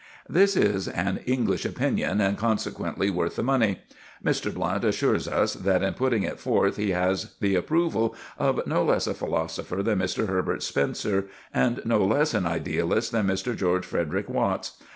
This is an English opinion, and, consequently, worth the money. Mr. Blunt assures us that in putting it forth he has the approval of no less a philosopher than Mr. Herbert Spencer, and no less an idealist than Mr. George Frederick Watts.